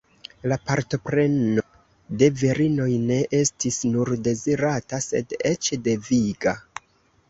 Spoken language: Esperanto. La partopreno de virinoj ne estis nur dezirata sed eĉ deviga.